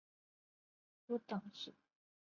实行多党制。